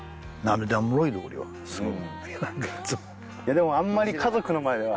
でもあんまり家族の前では。